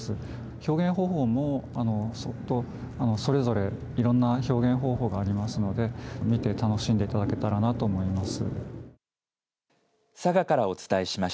表現方法もそれぞれいろんな表現方法がありますので見て楽しんでいただけたらなと思います。